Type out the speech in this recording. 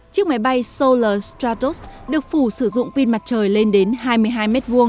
chiếc máy bay solar stratos được phủ sử dụng pin mặt trời lên đến hai mươi hai m hai